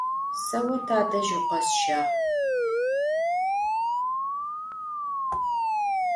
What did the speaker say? Se vo tadej vukhesşağ.